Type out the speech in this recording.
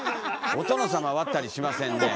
お殿様割ったりしませんね。